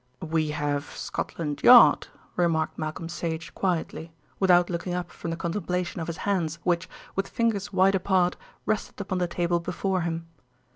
"We have Scotland Yard," remarked Malcolm Sage quietly, without looking up from the contemplation of his hands, which, with fingers wide apart, rested upon the table before him.